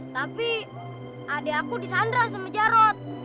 tapi adik aku disandra sama jarod